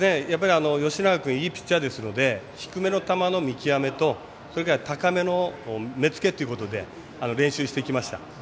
吉永君いいピッチャーですので低めの球の見極めとそれから高めの球の目付けということで練習してきました。